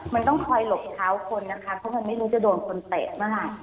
มันต้องคอยหลบเท้าคนนะคะเพราะมันไม่รู้จะโดนคนเตะเมื่อไหร่